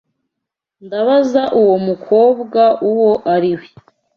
Ndabaza uwo mukobwa uwo ari we.